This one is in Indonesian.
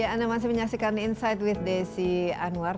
ya anda masih menyaksikan insight with desy anwar